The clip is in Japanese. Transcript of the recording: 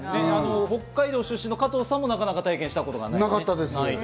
北海道出身の加藤さんもなかなか体験したことがない。